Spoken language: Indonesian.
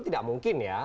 tidak mungkin ya